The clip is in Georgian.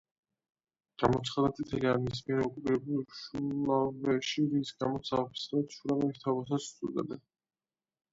გამოცხადდა წითელი არმიის მიერ ოკუპირებულ შულავერში, რის გამოც არაოფიციალურად „შულავერის მთავრობასაც“ უწოდებდნენ.